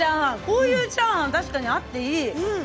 こういうチャーハンあっていい。